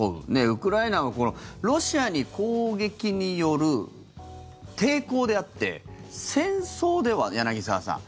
ウクライナはロシアの攻撃による抵抗であって戦争では柳澤さん。